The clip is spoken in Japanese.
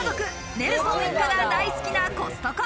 ネルソン一家が大好きなコストコ。